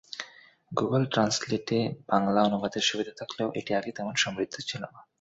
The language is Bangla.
গুগল ট্রান্সলেটে বাংলা অনুবাদের সুবিধা থাকলেও এটি আগে তেমন সমৃদ্ধ ছিল না।